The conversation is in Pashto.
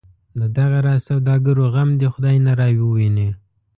د دغه راز سوداګرو غم دی خدای نه راوویني.